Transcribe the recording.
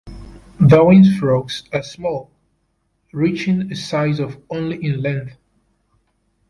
Darwin's frogs are small, reaching a size of only in length.